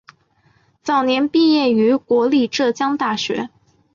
早年毕业于国立浙江大学。